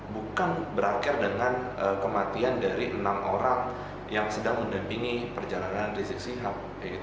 bukan berakhir dengan kematian dari enam orang yang sedang mendampingi perjalanan rizik sihab